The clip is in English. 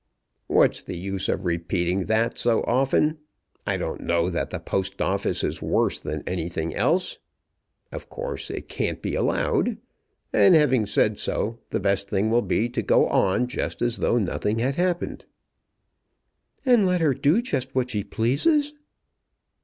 "What's the use of repeating that so often? I don't know that the Post Office is worse than anything else. Of course it can't be allowed; and having said so, the best thing will be to go on just as though nothing had happened." "And let her do just what she pleases?"